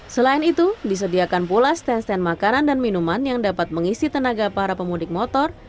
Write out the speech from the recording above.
selain itu disediakan pula stand stand makanan dan minuman yang dapat mengisi tenaga para pemudik motor